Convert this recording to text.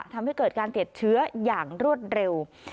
ทำให้เกิดการติดเชื้ออย่างรวดเร็ว